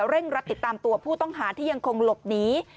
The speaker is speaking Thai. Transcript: เร่งรัดติดตามตัวผู้ต้องหาที่ยังคงหลบหนี